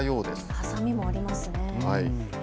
はさみもありますね。